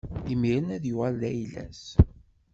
Imiren ad yuɣal d ayla-s.